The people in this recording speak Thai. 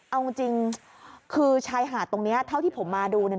เอาจริงคือชายหาดตรงนี้เท่าที่ผมมาดูเนี่ย